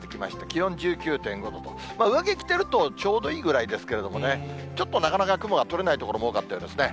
気温１９．５度と、上着着てるとちょうどいいぐらいですけどもね、ちょっとなかなか雲が取れない所も多かったようですね。